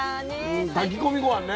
炊き込みごはんね